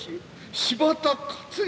柴田勝家